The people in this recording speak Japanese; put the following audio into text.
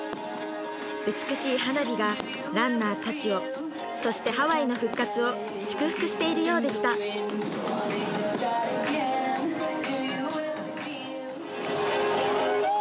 美しい花火がランナー達をそしてハワイの復活を祝福しているようでしたすごい！